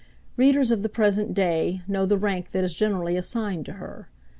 Readers of the present day know the rank that is generally assigned to her.